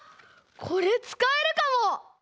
これつかえるかも！